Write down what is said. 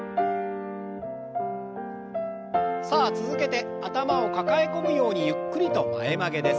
さあ続けて頭を抱え込むようにゆっくりと前曲げです。